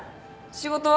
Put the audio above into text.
仕事は？